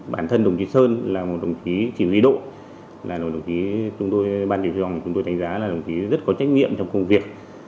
bản thân đồng chí sơn là một đồng chí chỉ huy độ là một đồng chí chúng tôi bàn điều truyền hòa chúng tôi tránh giá là đồng chí rất có trách nhiệm trong công việc